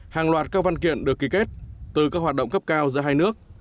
hàng loạt các văn kiện được ký kết từ các hoạt động cấp cao giữa hai nước